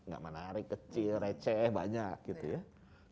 gak menarik kecil receh banyak gitu ya